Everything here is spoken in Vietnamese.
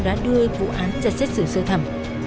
đã đưa vụ án ra xét xử sơ thẩm